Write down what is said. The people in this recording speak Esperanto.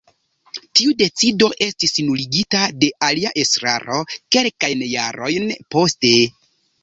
Tiu decido estis nuligita de alia estraro kelkajn jarojn poste.